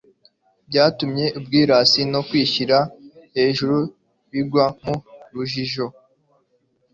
ryatumye ubwirasi no kwishyira hejuru bigwa mu rujijo,